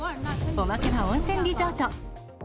おまけは温泉リゾート。